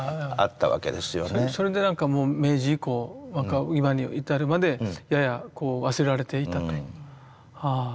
それで明治以降今に至るまでやや忘れられていたと。